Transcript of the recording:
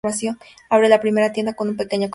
Abre la primera tienda con un pequeño capital.